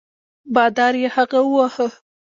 بادار یې هغه وواهه.